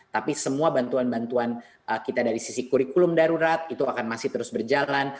tapi semua bantuan bantuan kita dari sisi kurikulum darurat itu akan masih terus berjalan